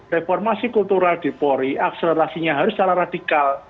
reformasi kultural di polri akselerasinya harus salah radikal